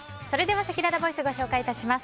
せきららボイスご紹介します。